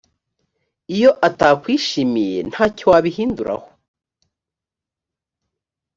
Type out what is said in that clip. iyo atakwishimiye nta cyo wabihinduraho